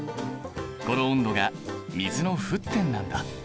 この温度が水の沸点なんだ。